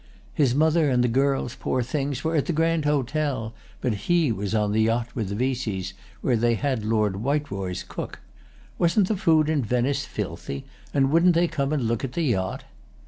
His mother and the girls, poor things, were at the Grand Hotel, but he was on the yacht with the Veseys, where they had Lord Whiteroy's cook. Wasn't the food in Venice filthy, and wouldn't they come and look at the yacht?